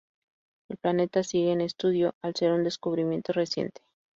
El planeta sigue en estudio al ser un descubrimiento reciente.